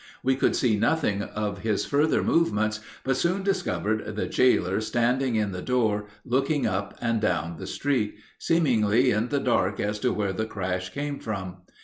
We could see nothing of his further movements, but soon discovered the jailer standing in the door, looking up and down the street, seemingly in the dark as to where the crash came from.